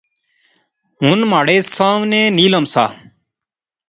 ہن مہاڑے ساونے نیلم سا